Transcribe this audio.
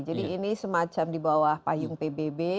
jadi ini semacam di bawah payung pbb